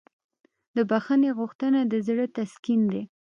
د بښنې غوښتنه د زړه تسکین دی.